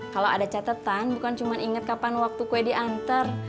kalau ada catatan bukan cuma inget kapan waktu kue di anter